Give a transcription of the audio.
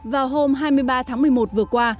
vào hôm hai mươi ba tháng một mươi một vừa qua